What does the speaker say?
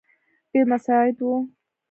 ډېر مساعد وو.